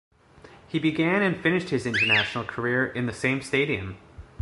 He began and finished his international career in the same stadium.